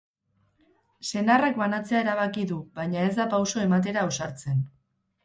Senarrak banatzea erabaki du, baina ez da pauso ematera ausartzen.